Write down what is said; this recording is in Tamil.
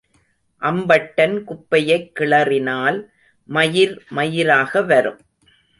அம்பட்டன் குப்பையைக் கிளறினால் மயிர் மயிராக வரும்.